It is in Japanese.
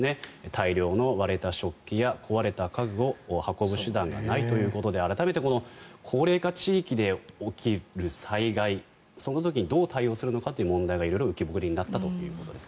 大量の割れた食器や壊れた家具を運ぶ手段がないということで改めて高齢化地域で起きる災害その時どう対応するのかという問題が色々、浮き彫りになったということです。